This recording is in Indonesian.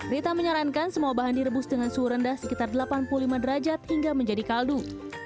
rita menyarankan semua bahan direbus dengan suhu rendah sekitar delapan puluh lima derajat hingga menjadi kaldu